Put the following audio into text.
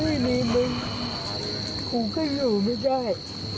ไม่มีมือขอก็อยู่ไม่ได้